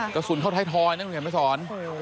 กระสุนเข้าท้ายท้อยนะเห็นไหมสอน